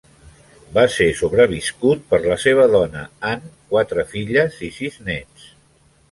Va ser sobreviscut per la seva dona Ann, quatre filles i sis nets.